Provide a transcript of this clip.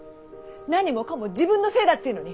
何もかも自分のせいだっていうのに。